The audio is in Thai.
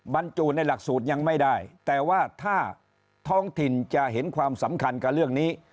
บรรจุในหลักสูตรยังไม่ได้แต่ว่าถ้าท้องถิ่นจะเห็นความสำคัญกับเรื่องนี้